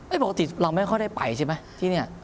บ๊วยบ๊วยบ๊วยปกติเราไม่ค่อยได้ไปใช่ไหมที่นี่